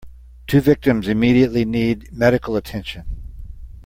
Two victims immediately need medical attention.